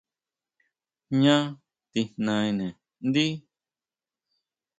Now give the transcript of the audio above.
¿Jñá tijnaene ndí?